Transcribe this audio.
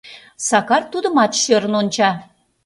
Сакар тудымат шӧрын онча.